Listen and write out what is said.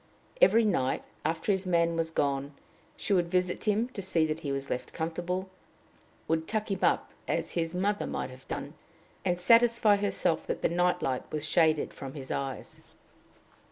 Every night, after his man was gone, she would visit him to see that he was left comfortable, would tuck him up as his mother might have done, and satisfy herself that the night light was shaded from his eyes.